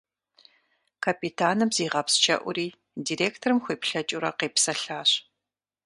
Капитаным зигъэпсчэуӀури, директорым хуеплъэкӀыурэ, къепсэлъащ.